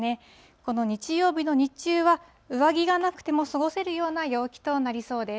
この日曜日の日中は、上着がなくても過ごせるような陽気となりそうです。